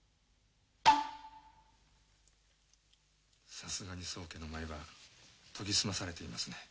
さすがに宗家の舞は研ぎ澄まされていますね。